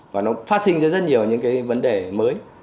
và nó phát sinh ra rất nhiều những cái vấn đề mới